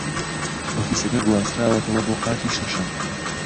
ئۆفیسەکە گواستراوەتەوە بۆ قاتی شەشەم.